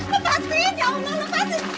lepasin lepasin ya allah lepasin